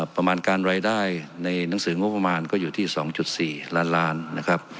ประมาณการรายได้ในหนังสืองบประมาณก็อยู่ที่๒๔ล้านล้านนะครับ